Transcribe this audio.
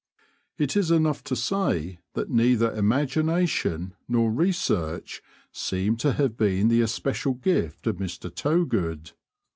It is enough to say that neither imagination nor research seem to have been the especial gift of Mr. Towgood.